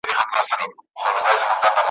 دوی شریک دي د مستیو د خوښۍ پهلوانان دي `